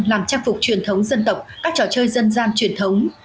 làm trang phục truyền thống dân tộc các trò chơi dân gian truyền thống